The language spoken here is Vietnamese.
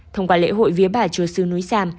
thông qua lễ hội vía bà chúa sư núi sam